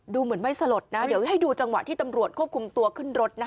ดูเหมือนไม่สลดนะเดี๋ยวให้ดูจังหวะที่ตำรวจควบคุมตัวขึ้นรถนะคะ